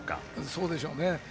そうでしょうね。